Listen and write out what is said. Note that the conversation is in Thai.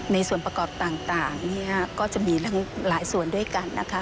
ในส่วนประกอบต่างก็จะมีทั้งหลายส่วนด้วยกันนะคะ